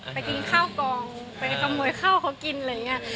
กินข้าวกองไปขโมยข้าวเขากินอะไรอย่างนี้